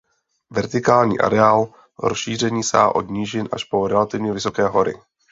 Vertikální areál rozšíření sahá od nížin až po relativně vysoké hory.